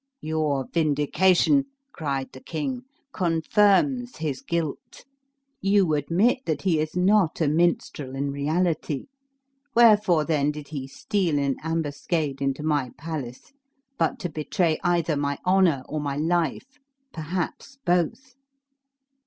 "Your vindication," cried the king, "confirms his guilt. You admit that he is not a minstrel in reality. Wherefore, then, did he steal in ambuscade into my palace, but to betray either my honor or my life perhaps both?"